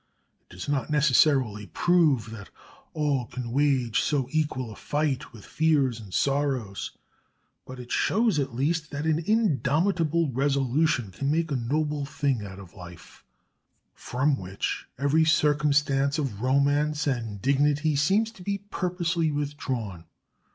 It does not necessarily prove that all can wage so equal a fight with fears and sorrows; but it shows at least that an indomitable resolution can make a noble thing out of a life from which every circumstance of romance and dignity seems to be purposely withdrawn.